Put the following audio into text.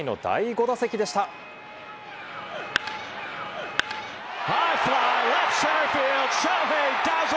９回の第５打席でした。